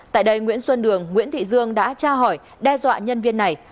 tại đây nguyễn xuân đường nguyễn thị dương đã tra hỏi đe dọa nhân viên này